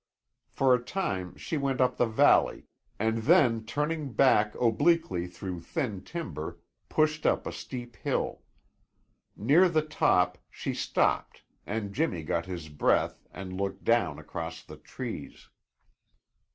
For a time she went up the valley, and then turning back obliquely through thin timber, pushed up a steep hill. Near the top she stopped and Jimmy got his breath and looked down across the trees.